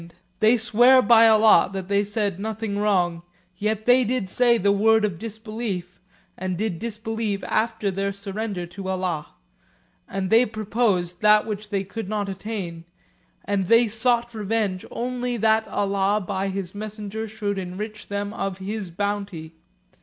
P: They swear by Allah that they said nothing (wrong), yet they did say the word of disbelief, and did disbelieve after their Surrender (to Allah). And they purposed that which they could not attain, and they sought revenge only that Allah by His messenger should enrich them of His bounty.